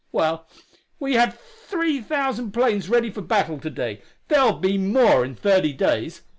Well, we have three thousand planes ready for battle to day; there'll be more in thirty days!